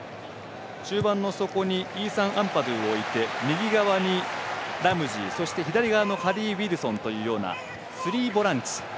中盤の底にイーサン・アンパドゥを置いて右側にラムジー左側にハリー・ウィルソンというスリーボランチ。